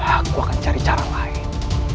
aku akan cari cara lain